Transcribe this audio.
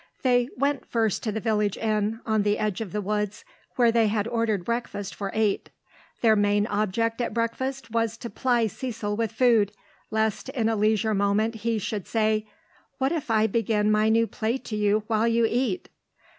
They went first to the village inn, on the edge of the woods, where they had ordered breakfast for eight. Their main object at breakfast was to ply Cecil with food, lest in a leisure moment he should say, "What if I begin my new play to you while you eat?"